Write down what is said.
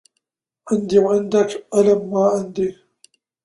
عندي وعندك علم ماعندي